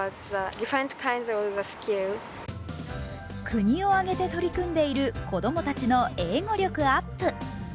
国を挙げて取り組んでいる子供たちの英語力アップ。